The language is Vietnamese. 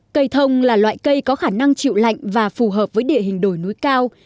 cây thông là loại cây có khả năng chịu lạnh và phù hợp với địa hình đồi núi cao